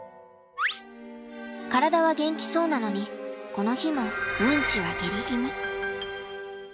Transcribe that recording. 体は元気そうなのにこの日もうんちはゲリ気味。